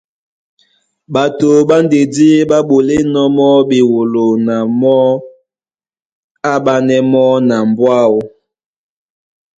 Ɓato ɓá ndedí ɓá ɓolínɔ̄ mɔ́ ɓewolo na mɔ́ á aɓánɛ́ mɔ́ na mbɔ́ áō.